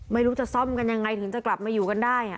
ไม่รู้จะซ่อมกันยังไงถึงจะกลับมาอยู่กันได้